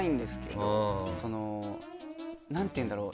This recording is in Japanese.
何ていうんだろう？